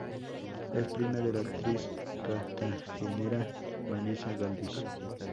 Es prima de la actriz cartagenera Vanessa Galvis.